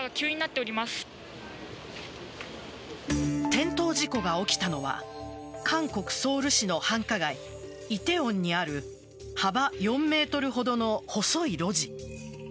転倒事故が起きたのは韓国・ソウル市の繁華街梨泰院にある幅４ｍほどの細い路地。